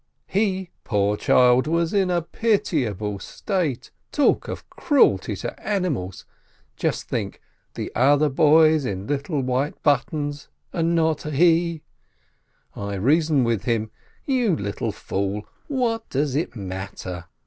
He, poor child, was in a pitiable state. Talk of cruelty to animals ! Just think : the other boys in little white buttons, and not he ! I reason with him : "You little fool! What does it matter?